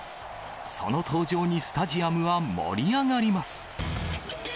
その登場にスタジアムは盛り上がります。